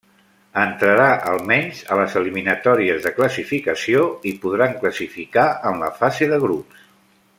Entrarà almenys a les eliminatòries de classificació, i podran classificar en la fase de grups.